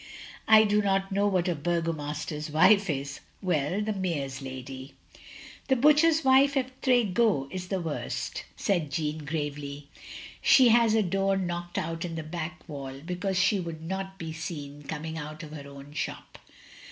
" I do not know what a burgomaster's wife is! " "Well— the mayor's lady." "The butcher's wife at Tref goch is the worst, " said Jeanne, gravely. She had a door knocked out in the back wall, because she would not be seen coming out of her own shop.